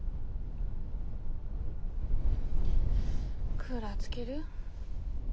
クーラーつける？